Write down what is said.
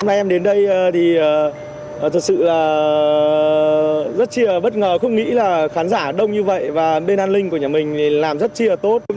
hôm nay em đến đây thì thật sự là rất chia bất ngờ không nghĩ là khán giả đông như vậy và bên an ninh của nhà mình làm rất chia tốt